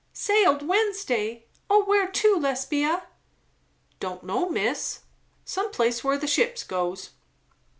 "Sailed Wednesday? O where to, Lesbia?" "Don' know, miss; some place where the ships goes."